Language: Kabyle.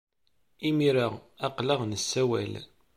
Imir-a, aql-aɣ nessawal.